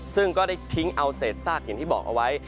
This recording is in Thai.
ซึ่งก็ได้ทิ้งเอาเศษซากอย่างที่บอกเอาไว้